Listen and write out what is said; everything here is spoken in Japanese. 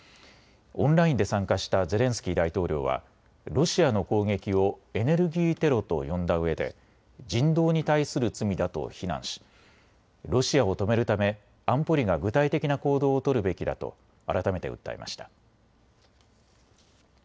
オンラインで参加したゼレンスキー大統領はロシアの攻撃をエネルギーテロと呼んだうえで人道に対する罪だと非難しロシアを止めるため安保理が具体的な行動を取るべきだと改めて訴えました。